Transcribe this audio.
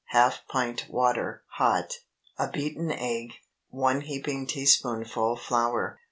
Half pint water (hot). A beaten egg. 1 heaping teaspoonful flour.